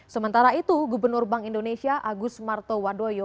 sementara itu gubernur bank indonesia agus martowadoyo